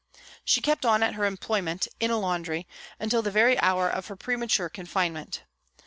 She kept on at her employment in a laundry until the very hour of her premature confinement.